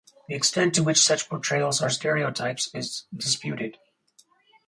The extent to which such portrayals are stereotypes is disputed.